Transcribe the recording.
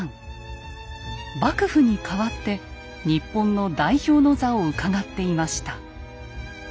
幕府に代わって日本の代表の座をうかがっていました。